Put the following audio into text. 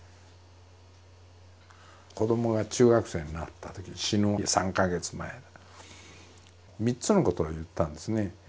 子どもが中学生になったとき死ぬ３か月前３つのことを言ったんですね。